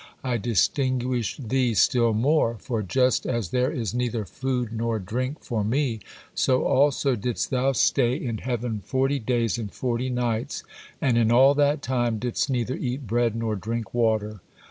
I distinguished thee still more, for just as there is neither food nor drink for Me, so also didst thou stay in heaven forty days and forty nights, and in all that time, 'didst neither eat bread, nor drink water.'